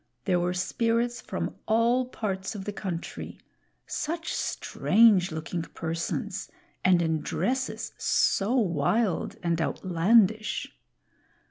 There were Spirits from all parts of the country; such strange looking persons, and in dresses so wild and outlandish!